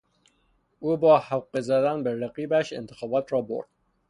او با حقه زدن به رقیبش انتخابات را برد.